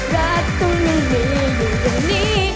รักต้องไม่มีเลยอยู่แห่งนี้